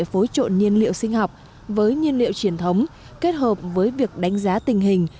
phối trộn nhiên liệu sinh học với nhiên liệu truyền thống kết hợp với việc đánh giá tình hình